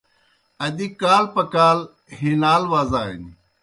ادی کال پہ کال ہِنال وزانیْ